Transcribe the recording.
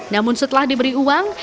namun setelah diberi uang